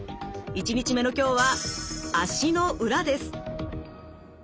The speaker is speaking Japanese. １日目の今日は足の裏です。